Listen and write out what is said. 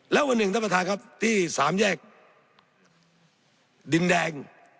แล้ววันหนึ่งท่านประธานครับที่สามแยกดินแดง